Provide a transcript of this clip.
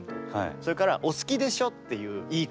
それから「お好きでしょ」っていう言い方。